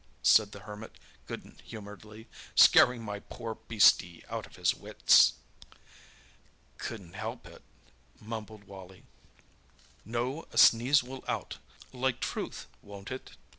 said the Hermit good humouredly, "scaring my poor beastie out of his wits." "Couldn't help it," mumbled Wally. "No, a sneeze will out, like truth, won't it?"